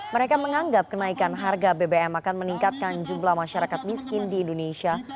mereka menganggap kenaikan harga bbm akan meningkatkan jumlah masyarakat miskin di indonesia